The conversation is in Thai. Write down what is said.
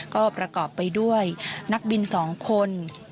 ก็ประกอบไปด้วยนักบิน๒คน